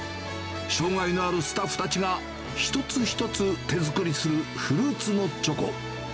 障がいのあるスタッフたちが、一つ一つ手作りするフルーツのチョコ。